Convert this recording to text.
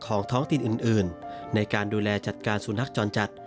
ท้องถิ่นอื่นในการดูแลจัดการสุนัขจรจัด